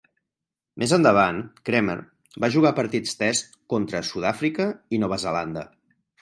Més endavant, Cremer va jugar partits Test contra Sud-àfrica i Nova Zelanda.